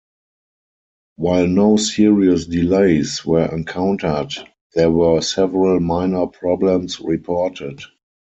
While no serious delays were encountered, there were several minor problems reported.